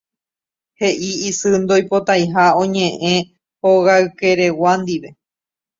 he'i isy ndoipotaiha oñe'ẽ hogaykeregua ndive